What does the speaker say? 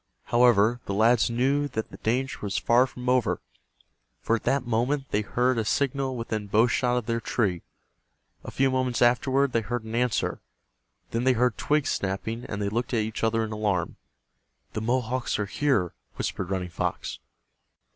However, the lads knew that the danger was far from over, for at that moment they heard a signal within bow shot of their tree. A few moments afterward they heard an answer. Then they heard twigs snapping, and they looked at each other in alarm. "The Mohawks are here," whispered Running Fox.